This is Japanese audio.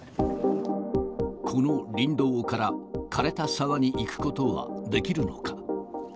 この林道からかれた沢に行くことはできるのか。